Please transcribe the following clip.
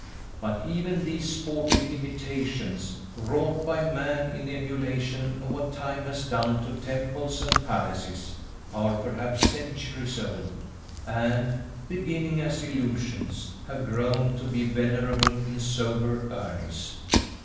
But even these sportive imitations, wrought by man in emulation of what time has done to temples and palaces, are perhaps centuries old, and, beginning as illusions, have grown to be venerable in sober earnest.